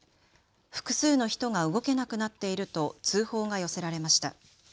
複数の人が動けなくなっていると通報が寄せられました。